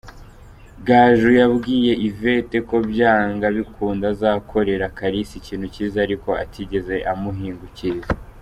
Gaju yabwiye Yvette ko byanga bikunda azakorera Kalisa ikintu cyiza ariko atigeze amuhingukiriza.